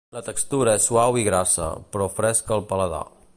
La textura és suau i grassa, però fresca al paladar.